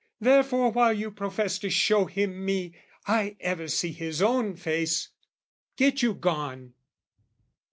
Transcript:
"Therefore while you profess to show him me, "I ever see his own face. Get you gone!"